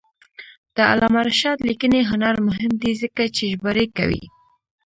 د علامه رشاد لیکنی هنر مهم دی ځکه چې ژباړې کوي.